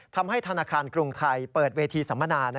ทำให้ธนาคารกรุงไทยเปิดเวทีสัมมนา